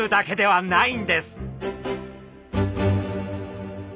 はい。